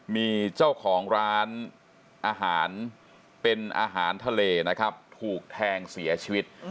มีเจ้าของร้านอาหารเป็นอาหารทะเลนะครับถูกแทงเสียชีวิต